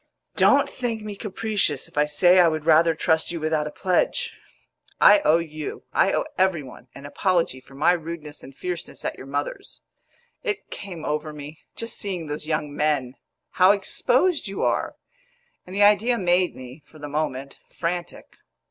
"Don't think me capricious if I say I would rather trust you without a pledge. I owe you, I owe every one, an apology for my rudeness and fierceness at your mother's. It came over me just seeing those young men how exposed you are; and the idea made me (for the moment) frantic.